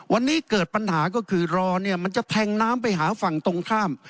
วันนี้เกิดปัญหาก็คือรอเนี่ยมันจะแทงน้ำไปหาฝั่งตรงข้าม